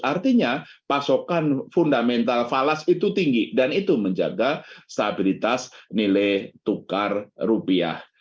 artinya pasokan fundamental falas itu tinggi dan itu menjaga stabilitas nilai tukar rupiah